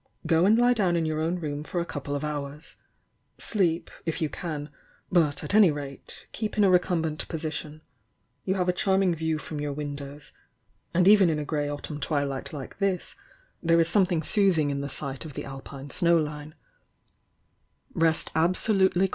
Go and lie down in your own room for a couple of hours. Sleep, if you can,— but, at any rate, keep in a recumbent position. You have a charming view from your windows,— and even in a grey autumn twihght like this, there is something soothing in the maocorr >isoiution mi chmt (ANSI ood ISO TEST CHABT No.